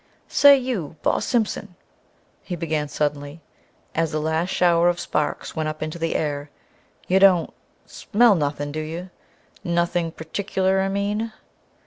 "Say, you, Boss Simpson," he began suddenly, as the last shower of sparks went up into the air, "you don't smell nothing, do you nothing pertickler, I mean?"